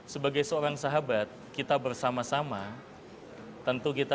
sebagai seorang sahabat kita bersama sama tentu kita